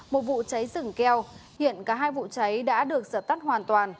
một vụ cháy rừng keo hiện cả hai vụ cháy đã được dập tắt hoàn toàn